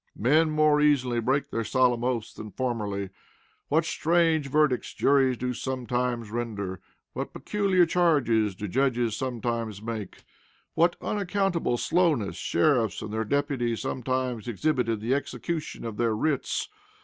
Men more easily break their solemn oaths than formerly. What strange verdicts juries do sometimes render! What peculiar charges judges do sometimes make! What unaccountable slowness sheriffs and their deputies sometimes exhibit in the execution of their writs!